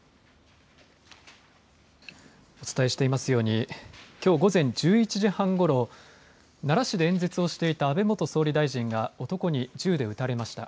お伝えしていますようにきょう午前１１時半ごろ、奈良市で演説をしていた安倍元総理大臣が男に銃で撃たれました。